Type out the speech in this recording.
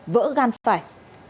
vỡ gan phải